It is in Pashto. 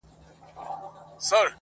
ځوان د پوره سلو سلگيو څه راوروسته.